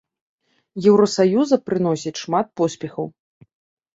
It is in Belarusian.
Еўрасаюза прыносіць шмат поспехаў.